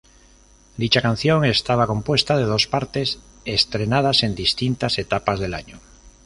Dicha canción estaba compuesta de dos partes, estrenadas en distintas etapas del año.